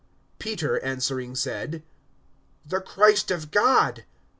Peter answering said: The Christ of God.